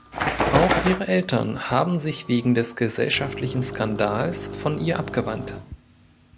Auch ihre Eltern haben sich wegen des gesellschaftlichen Skandals von ihr abgewandt.